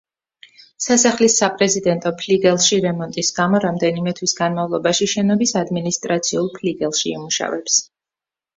სასახლის საპრეზიდენტო ფლიგელში რემონტის გამო, რამდენიმე თვის განმავლობაში შენობის ადმინისტრაციულ ფლიგელში იმუშავებს.